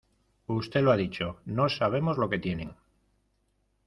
usted lo ha dicho, no sabemos lo que tienen.